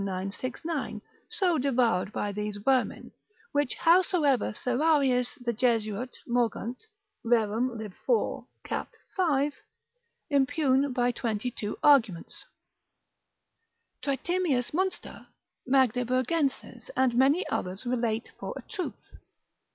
969, so devoured by these vermin, which howsoever Serrarius the Jesuit Mogunt. rerum lib. 4. cap. 5. impugn by twenty two arguments, Tritemius, Munster, Magdeburgenses, and many others relate for a truth.